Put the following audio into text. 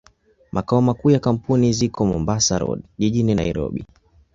Makao makuu ya kampuni ziko Mombasa Road, jijini Nairobi.